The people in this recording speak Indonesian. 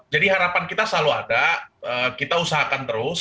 jadi harapan kita selalu ada kita usahakan terus